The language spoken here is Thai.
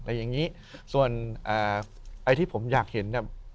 แต่อย่างนี้ส่วนไอ้ที่ผมอยากเห็นเนี่ย